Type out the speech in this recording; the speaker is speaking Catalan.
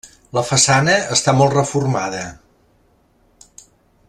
La façana està molt reformada.